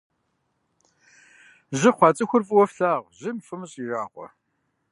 Жьы хъуа цӏыхур фӏыуэ флъагъу, жьым фымыщӏ и жагъуэ.